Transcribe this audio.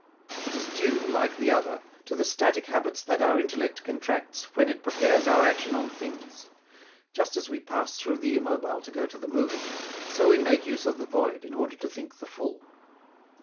It is due, like the other, to the static habits that our intellect contracts when it prepares our action on things. Just as we pass through the immobile to go to the moving, so we make use of the void in order to think the full.